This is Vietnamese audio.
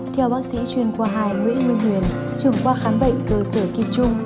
theo bác sĩ chuyên khoa hai nguyễn nguyên huyền trường khoa khám bệnh cơ sở kỳ trung